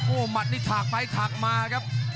โอ้โหหมัดนี่ถากไปถากมาครับ